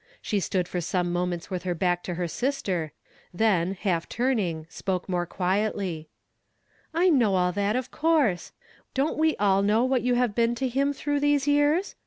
She stood for some moments with her back to her sister, then, half turning, spoke more quietly. "I know all that, of coui se. Don't we all know what you have been to him through these years